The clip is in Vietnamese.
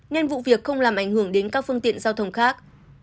nên vụ việc không làm ảnh hưởng đến các phương tiện giao thông khác